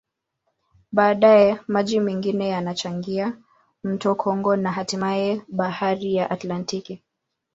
Baadaye, maji mengine yanachangia mto Kongo na hatimaye Bahari ya Atlantiki.